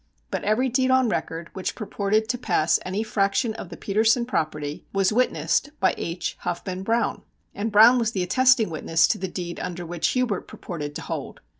But every deed on record which purported to pass any fraction of the Petersen property was witnessed by H. Huffman Browne! And Browne was the attesting witness to the deed under which Hubert purported to hold.